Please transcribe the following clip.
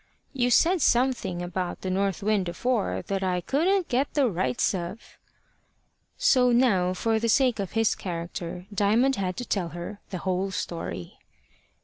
"You said something about the north wind afore that I couldn't get the rights of." So now, for the sake of his character, Diamond had to tell her the whole story.